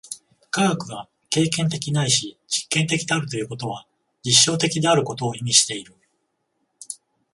科学が経験的ないし実験的であるということは、実証的であることを意味している。